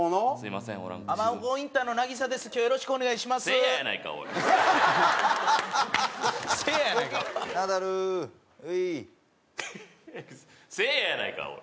せいややないかおい！